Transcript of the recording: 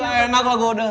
gak enak lah gue udah